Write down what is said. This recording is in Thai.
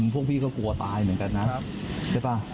พวกพี่ก็กลัวตายเหมือนกันนะ